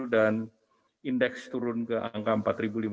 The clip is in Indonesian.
dan indeks turun ke angka rp empat lima ratus